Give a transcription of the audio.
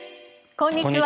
こんにちは。